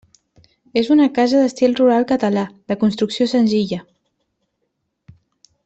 És una casa d'estil rural català, de construcció senzilla.